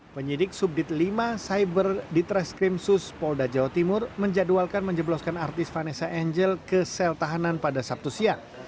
penyidik subdit lima cyber ditreskrimsus polda jawa timur menjadwalkan menjebloskan artis vanessa angel ke sel tahanan pada sabtu siang